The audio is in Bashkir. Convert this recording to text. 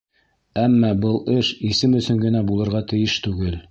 Әммә был эш исем өсөн генә булырға тейеш түгел.